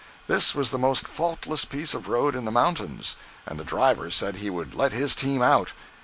This was the most faultless piece of road in the mountains, and the driver said he would "let his team out."